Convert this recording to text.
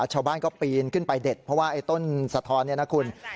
ชาวบ้านก็ปีนขึ้นไปเด็ดเพราะว่าไอ้ต้นสะท้อนเนี่ยนะคุณ